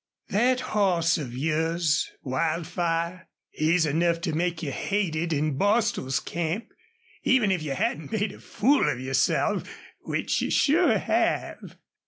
"Thet hoss of yours, Wildfire, he's enough to make you hated in Bostil's camp, even if you hadn't made a fool of yourself, which you sure have."